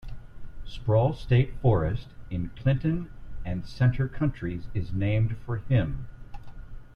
Sproul State Forest in Clinton and Centre counties is named for him.